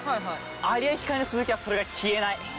有明海のスズキはそれが消えない。